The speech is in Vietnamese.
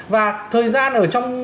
và thời gian ở trong